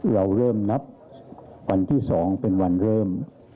เราเริ่มนับวันที่๒เป็นวันเริ่ม